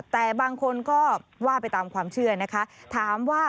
แต่บางคนก็ว่าไปตามความเชื่อนะคะถามว่า